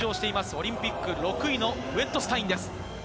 オリンピック６位のウェットスタインです。